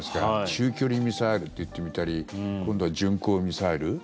中距離ミサイルって言ってみたり今度は巡航ミサイル？